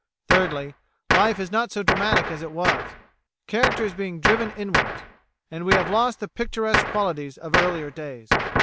Thirdly, life is not so dramatic as it was character is being driven inwards, and we have lost the picturesque qualities of earlier days.